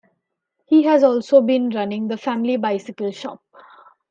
He has also been running the family bicycle shop.